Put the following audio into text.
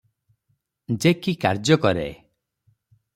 ଯେ କି କାର୍ଯ୍ୟ କରେ ।